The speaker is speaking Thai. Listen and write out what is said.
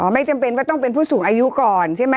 ไม่จำเป็นว่าต้องเป็นผู้สูงอายุก่อนใช่ไหม